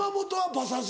馬刺し。